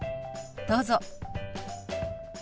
どうぞ。